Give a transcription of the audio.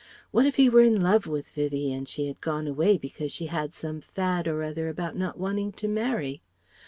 what if he were in love with Vivie and she had gone away because she had some fad or other about not wanting to marry?